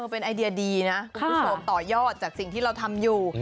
เป็นไอเดียดีนะคุณผู้ชมต่อยอดจากสิ่งที่เราทำอยู่